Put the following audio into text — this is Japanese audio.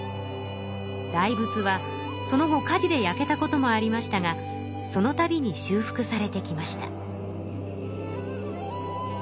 大仏はその後火事で焼けたこともありましたがそのたびに修復されてきました。